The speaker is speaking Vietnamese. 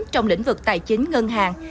trong lĩnh vực tài chính ngân hàng